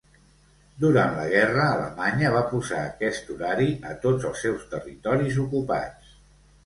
Durant la guerra, Alemanya va posar aquest horari a tots els seus territoris ocupats.